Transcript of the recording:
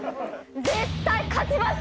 絶対勝ちます。